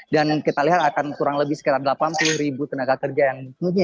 dan kita lihat akan kurang lebih sekitar delapan puluh tenaga kerja yang